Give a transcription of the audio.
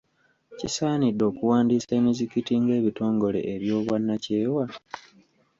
Kisaanidde okuwandiisa emizikiti ng'ebitongole eby'obwannakyewa?